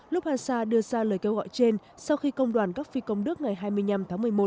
lufthansa đưa ra lời kêu gọi trên sau khi công đoàn các phi công đức ngày hai mươi năm tháng một mươi một